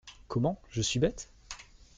Comment, je suis bête ?